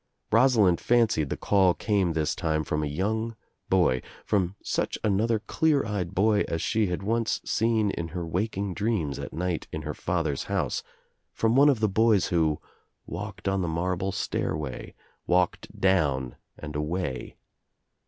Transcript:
Rosalind fancied the call came this time from a young boy, from such another clear eycd boy as she had once seen in her waking dreams at night in her father's house, from one of the boys who walked on the marble stairway, walked down and away.